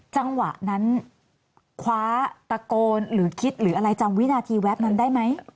จังหวะนั้นคว้าตะโกนหรือคิดหรืออะไรจำวินาทีแวบนั้นได้ไหม